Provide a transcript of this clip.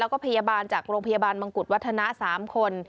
แล้วก็พยาบาลจากโรงพยาบาลมงกุฎวัฒนะ๓คน